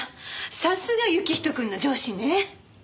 さすが行人くんの上司ね。